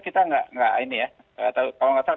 kita nggak ini ya kalau nggak salah